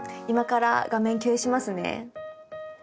今から画面共有しますね。